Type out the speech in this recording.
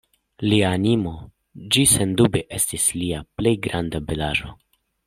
Lia animo, ĝi sendube estis lia plej granda belaĵo!